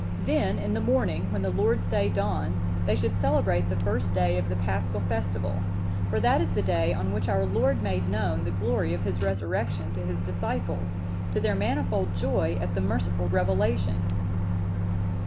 Then, in the morning, when the Lord's day dawns, they should celebrate the first day of the Paschal festival; for that is the day on which our Lord made known the glory of His Resurrection to His disciples, to their manifold joy at the merciful revelation.